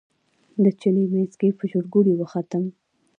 د چلې منځ کې په چورګوړي وختم.